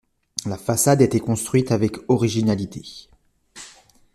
La façade a été construite avec originalité.